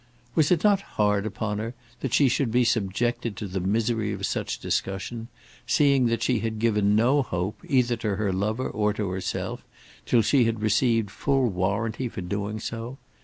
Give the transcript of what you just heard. Was it not hard upon her that she should be subjected to the misery of such discussion, seeing that she had given no hope, either to her lover or to herself, till she had received full warranty for doing so?